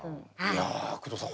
いや工藤さん